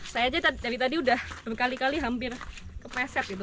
saya aja dari tadi udah berkali kali hampir kepeset gitu